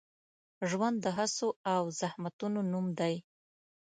ژوند د هڅو او زحمتونو نوم دی.